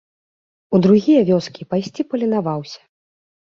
У другія вёскі пайсці паленаваўся.